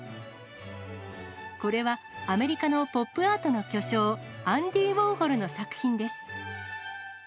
これは、アメリカのポップアートの巨匠、アンディ・ウォーホルの作品です。